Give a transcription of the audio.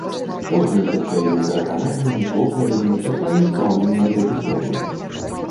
Кожны са сваімі перакананнямі, поглядамі, са сваім стаўленнем да гісторыі.